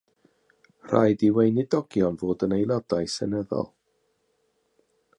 Rhaid i weinidogion fod yn aelodau seneddol.